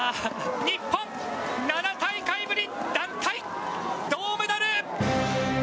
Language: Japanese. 日本７大会ぶり団体銅メダル。